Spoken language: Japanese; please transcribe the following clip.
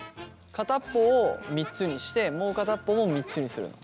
片っぽを３つにしてもう片っぽも３つにするの。